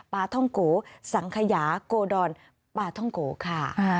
ปลาท่องโกสังขยาโกดอนปลาท่องโกค่ะ